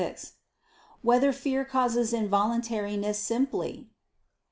6] Whether Fear Causes Involuntariness Simply?